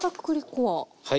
はい。